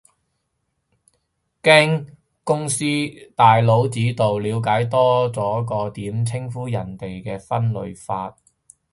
經公司大佬指導，了解多咗個點稱呼人嘅分類法